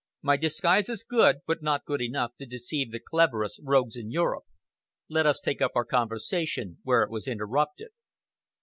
My disguise is good, but not good enough to deceive the cleverest rogues in Europe. Let us take up our conversation where it was interrupted."